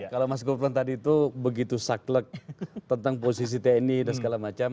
kalau mas gufron tadi itu begitu saklek tentang posisi tni dan segala macam